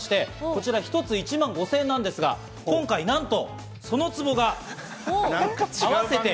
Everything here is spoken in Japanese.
こちら一つ１万５０００円なんですが、今回なんと、そのツボが合わせて。